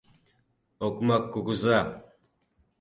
Окмак кугыза!